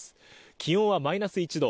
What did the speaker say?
気温はマイナス１度。